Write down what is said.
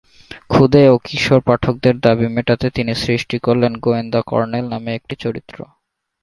ক্ষুদে ও কিশোর পাঠকদের দাবি মেটাতে তিনি সৃষ্টি করলেন "গোয়েন্দা কর্নেল" নামে একটি চরিত্র।